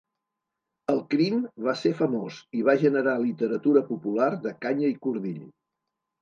El crim va ser famós i va generar literatura popular de canya i cordill.